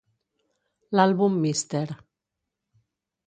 L'àlbum Mr.